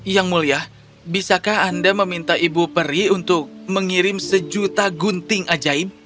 yang mulia bisakah anda meminta ibu peri untuk mengirim sejuta gunting ajaib